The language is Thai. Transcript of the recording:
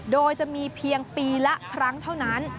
โดยจะมีเพียงปีละครั้งเท่านั้น